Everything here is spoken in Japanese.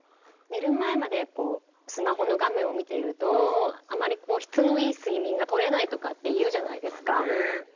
寝る前までこうスマホの画面を見ているとあまりこう質のいい睡眠がとれないとかって言うじゃないですか。